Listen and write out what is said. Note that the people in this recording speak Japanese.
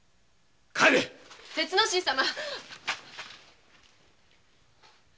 鉄之進様！